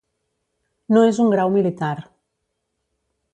No és un grau militar.